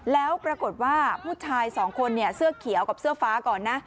แล้วปรากฏว่าผู้ชายสองคนเนี่ยเสื้อเขียวกับเสื้อฟ้าก่อนนะ